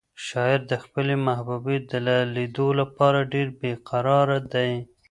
شاعر د خپلې محبوبې د لیدو لپاره ډېر بې قراره دی.